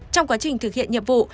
trong quá trình thực hiện nhiệm vụ